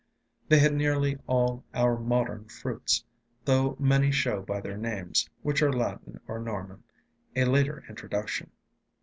They had nearly all our modern fruits, though many show by their names, which are Latin or Norman, a later introduction.